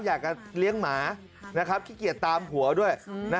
อยากจะเลี้ยงหมาขี้เกียจตามผัวด้วย